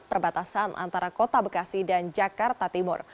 perbatasan antara kota bekasi dan jakarta timur